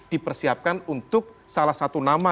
dipersiapkan untuk salah satu nama